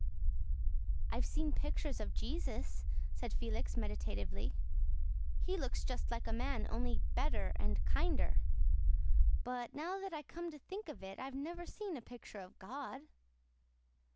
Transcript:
"I've seen pictures of Jesus," said Felix meditatively. "He looks just like a man, only better and kinder. But now that I come to think of it, I've never seen a picture of God."